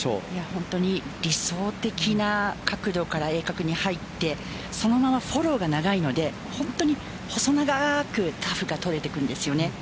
本当に理想的な角度から鋭角に入ってそのままフォローが長いので細長くターフが取れてくるんですよね。